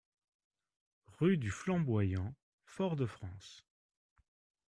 Rue du Flamboyant, Fort-de-France